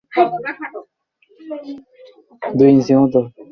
লেখার শুরুতে ব্যবহার করা বিখ্যাত গানটি ছিল তাঁদের লিপসিং-এ গাওয়া প্রেমের গান।